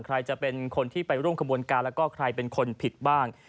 ใครจะเป็นคนที่ไปร่วมขบวนการแล้วก็ใครเป็นคนผิดบ้าง